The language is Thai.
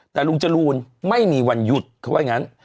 แต่ลุงจรูนไม่มีวันหยุดเขาว่าอย่างนั้น